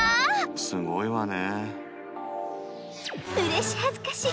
すごいわね。